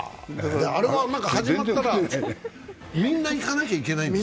あれは始まったらみんな行かなきゃいけないんでしょ。